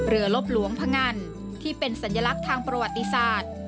ลบหลวงพงันที่เป็นสัญลักษณ์ทางประวัติศาสตร์